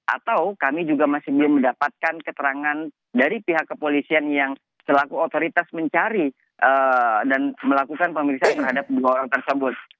atau kami juga masih belum mendapatkan keterangan dari pihak kepolisian yang selaku otoritas mencari dan melakukan pemeriksaan terhadap dua orang tersebut